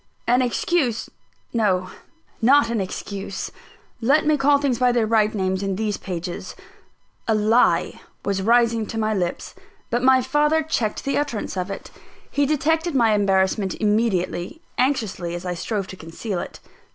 An excuse no! not an excuse; let me call things by their right names in these pages a lie was rising to my lips; but my father checked the utterance of it. He detected my embarrassment immediately, anxiously as I strove to conceal it.